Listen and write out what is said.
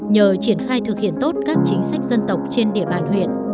nhờ triển khai thực hiện tốt các chính sách dân tộc trên địa bàn huyện